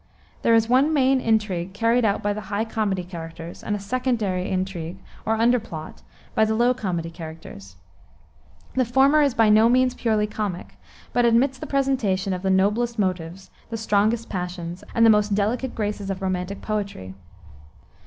There is one main intrigue carried out by the high comedy characters, and a secondary intrigue, or underplot, by the low comedy characters. The former is by no means purely comic, but admits the presentation of the noblest motives, the strongest passions, and the most delicate graces of romantic poetry.